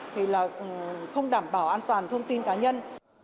thì là không đảm bảo an toàn thông tin cá nhân